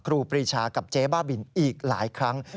ครีชากับเจ๊บ้าบินอีกหลายครั้ง